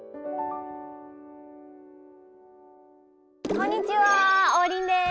こんにちは王林です。